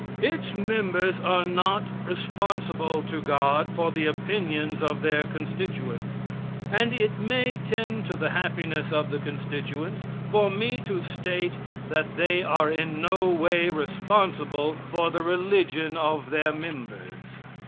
Its members are not responsible to God for the opinions of their constituents, and it may tend to the happiness of the constituents for me to state that they are in no way responsible for the religion of the members.